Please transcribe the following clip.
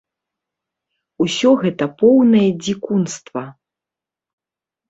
Усё гэта поўнае дзікунства.